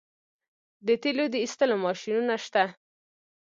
د تیلو د ایستلو ماشینونه شته.